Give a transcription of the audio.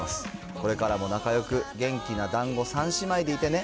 これからも仲よく元気なだんご三姉妹でいてね。